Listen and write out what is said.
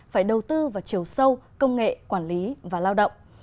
phải đầu tư vào chiều sâu công nghệ quản lý và lao động